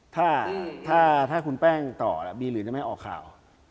ถ้าคุณแป้งต่อบีหรือจะไม่ออกข่าว